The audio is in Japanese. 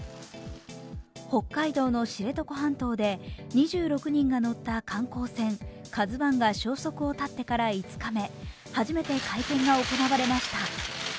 北海道の知床半島で２６人が乗った観光船「ＫＡＺＵⅠ」が消息を絶ってから５日目、初めて会見が行われました。